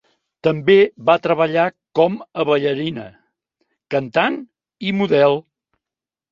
També va treballar com a ballarina, cantant i model.